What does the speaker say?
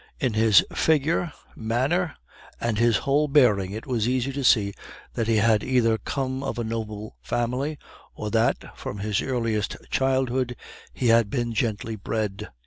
In his figure, manner, and his whole bearing it was easy to see that he had either come of a noble family, or that, from his earliest childhood, he had been gently bred.